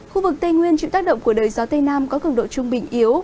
khu vực tây nguyên chịu tác động của đời gió tây nam có cường độ trung bình yếu